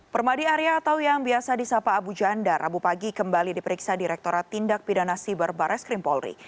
permadi area atau yang biasa di sapa abu janda rabu pagi kembali diperiksa direktora tindak pidana siber barres krimpolri